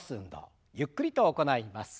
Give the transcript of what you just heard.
ゆっくりと行います。